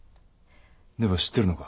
では知ってるのか？